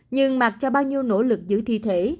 nhưng mặc cho bao nhiêu nỗ lực giữ thi thể